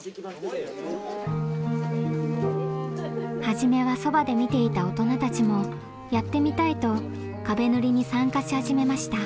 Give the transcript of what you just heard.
初めはそばで見ていた大人たちもやってみたいと壁塗りに参加し始めました。